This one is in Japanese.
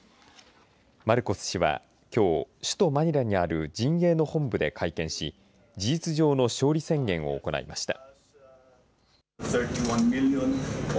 マルコス氏はきょう、首都マニラにある陣営の本部で会見し事実上の勝利宣言を行いました。